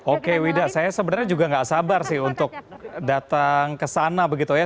oke wida saya sebenarnya juga nggak sabar sih untuk datang ke sana begitu ya